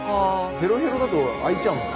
ヘロヘロだと開いちゃうんだ。